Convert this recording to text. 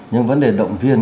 những vấn đề động viên